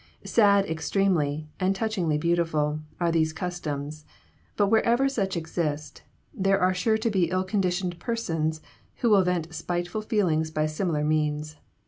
Sad extremely, and touchingly beautiful, are these customs; but wherever such exist, there are sure to be ill conditioned persons who will vent spiteful feelings by similar means.